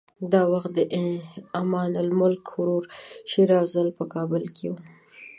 دا وخت د امان الملک ورور شېر افضل په کابل کې و.